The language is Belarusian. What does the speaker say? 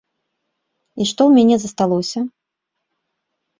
І што ў мяне засталося?